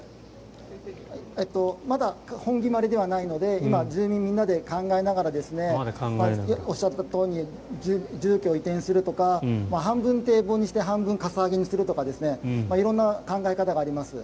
まだ本決まりではないので今、住民みんなで考えながらおっしゃったとおりに住居を移転するとか半分、堤防にして半分、かさ上げにするとか色んな考え方があります。